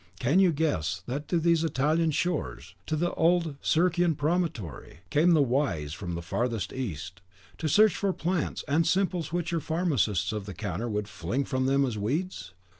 Can you guess that to these Italian shores, to the old Circaean Promontory, came the Wise from the farthest East, to search for plants and simples which your Pharmacists of the Counter would fling from them as weeds?